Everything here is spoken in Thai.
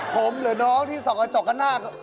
ผมหรือน้องที่ส่องกระจกข้างหน้า